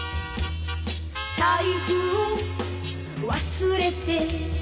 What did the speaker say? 「財布を忘れて」